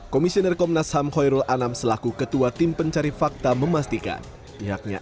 komisioner komnas ham hoyrul anam selaku ketua tim pencari fakta memastikan pihaknya